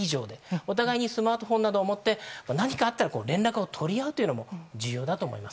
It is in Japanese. お互いにスマートフォンなどを持って何かあったら連絡を取り合うのも重要だと思います。